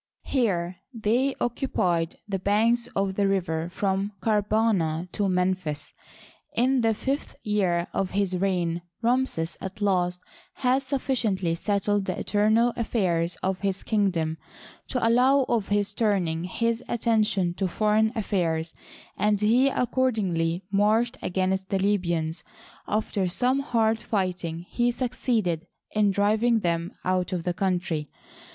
Here they occupied the banks of the river from Karbana to Memphis. In the fifth year of his reip^ Ramses at last had sufficiently settled the internal affairs of his kingdom to allow of his turning his attention to foreign affairs, and he accordingly marched against the Libyans. After some hard fighting he succeeded in driving them out of the country.